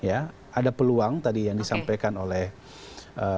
ada peluang tadi yang disampaikan oleh